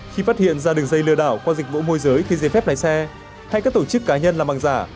khi phát hiện ra đường dây lừa đảo qua dịch vụ môi giới khi giấy phép lái xe hay các tổ chức cá nhân làm bằng giả